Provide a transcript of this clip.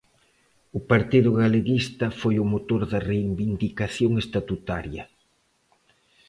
O Partido Galeguista foi o motor da reivindicación estatutaria.